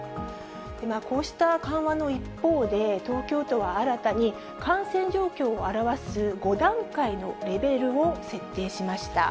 こうした緩和の一方で、東京都は新たに、感染状況を表す５段階のレベルを設定しました。